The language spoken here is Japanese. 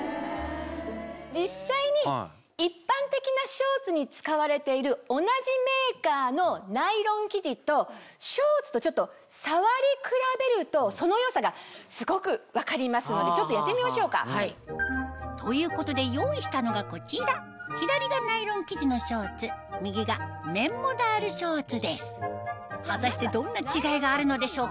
実際に一般的なショーツに使われている同じメーカーのナイロン生地とショーツとちょっと触り比べるとそのよさがすごく分かりますのでちょっとやってみましょうか。ということで用意したのがこちら左がナイロン生地のショーツ右が綿モダールショーツです果たしてどんな違いがあるのでしょうか？